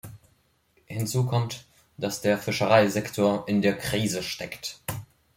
Hinzu kommt, dass der Fischereisektor in der Krise steckt.